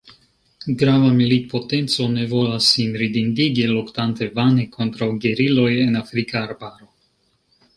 Grava militpotenco ne volas sin ridindigi, luktante vane kontraŭ geriloj en afrika arbaro.